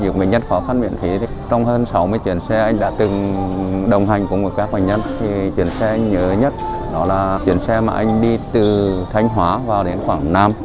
những bệnh nhân khó khăn miễn phí trong hơn sáu mươi chuyến xe anh đã từng đồng hành cùng với các bệnh nhân thì chuyến xe nhớ nhất đó là chuyến xe mà anh đi từ thanh hóa vào đến quảng nam